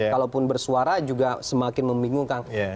kalaupun bersuara juga semakin membingungkan